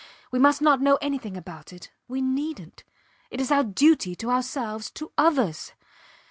We must not know anything about it we neednt. It is our duty to ourselves to others.